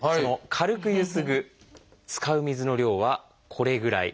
軽くゆすぐ使う水の量はこれぐらい。